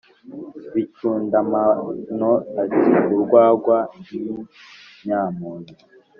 bicundamabano ati "urwagwa n' inyamunyo,